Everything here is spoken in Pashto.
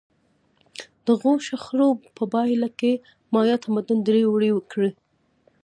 دغو شخړو په پایله کې مایا تمدن دړې وړې کړ.